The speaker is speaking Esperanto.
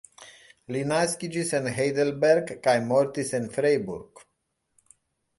Li naskiĝis en Heidelberg kaj mortis en Freiburg.